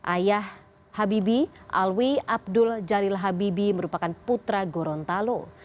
ayah habibie alwi abdul jalil habibie merupakan putra gorontalo